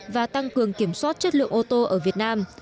và tăng cường kiểm soát chất lượng ô tô ở việt nam